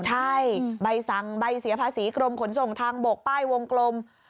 ใช่ใบสั่งใบเสียภาษีกรมขนส่งทางบกป้ายวงกลม